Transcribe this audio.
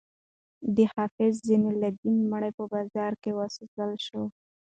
د حافظ زین الدین مړی په بازار کې وسوځول شو.